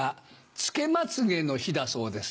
つけまつげの日だそうです。